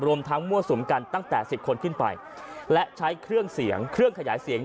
รวมทั้งมั่วสุมกันตั้งแต่สิบคนขึ้นไปและใช้เครื่องเสียงเครื่องขยายเสียง